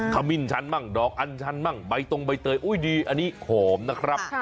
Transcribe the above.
ขมิ้นชันมั่งดอกอันชันมั่งใบตรงใบเตยอุ้ยดีอันนี้หอมนะครับ